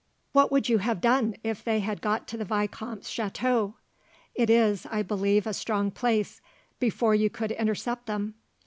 "What would you have done if they had got to the vicomte's chateau it is, I believe, a strong place before you could intercept them?"